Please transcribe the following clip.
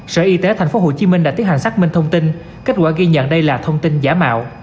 sở y tế tp hcm đã tiến hành xác minh thông tin kết quả ghi nhận đây là thông tin giả mạo